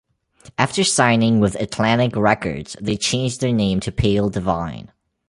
After signing with Atlantic Records, they changed their name to Pale Divine.